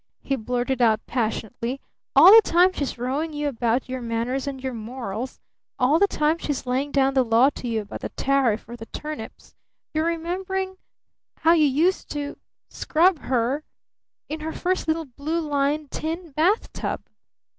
he blurted out passionately. "All the time she's rowing you about your manners and your morals, all the time she's laying down the law to you about the tariff or the turnips, you're remembering how you used to scrub her in her first little blue lined tin bath tub!"